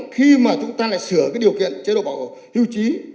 khi mà chúng ta lại sửa cái điều kiện chế độ bảo hiểm hưu trí